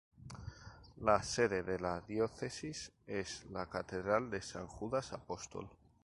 La sede de la Diócesis es la Catedral de San Judas Apóstol.